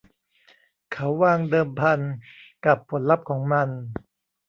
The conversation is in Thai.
เขาวางเดิมพันกับผลลัพธ์ของมัน